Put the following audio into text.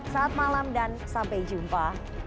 saat malam dan sampai jumpa